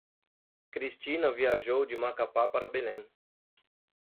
Cristina viajou de Macapá para Belém.